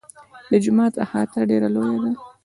د جومات احاطه ډېره لویه ده.